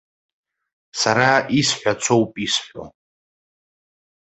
Сара исҳәацоуп исҳәо.